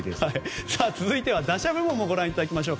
続いては打者部門もご覧いただきましょう。